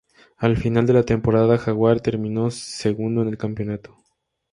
Al final de la temporada, Jaguar terminó segundo en el campeonato.